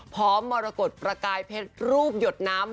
มรกฏประกายเพชรรูปหยดน้ำ